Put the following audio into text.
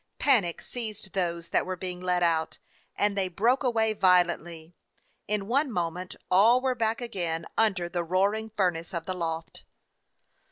Panic seized those that were being led out, and they broke away violently ; in one moment all were back again under the roaring furnace of the loft.